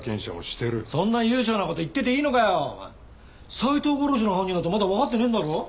斎藤殺しの犯人だってまだわかってねえんだろ？